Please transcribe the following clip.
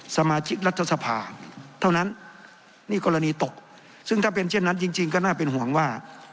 สมาชิกรัฐสภาเท่านั้นนี่กรณีตกซึ่งถ้าเป็นเช่นนั้นจริงก็น่าเป็นห่วงว่า